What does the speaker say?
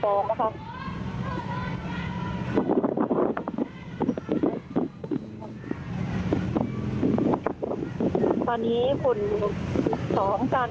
เพราะตอนนี้ก็ไม่มีเวลาให้เข้าไปที่นี่